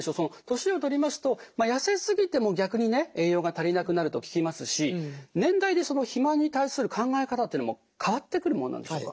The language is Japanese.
年をとりますと痩せすぎても逆にね栄養が足りなくなると聞きますし年代で肥満に対する考え方というのも変わってくるものなんでしょうか？